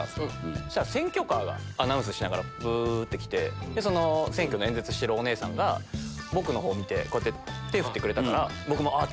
そしたら選挙カーがアナウンスしながら来て選挙の演説してるお姉さんが僕の方見てこうやって手振ってくれたから僕もあっ！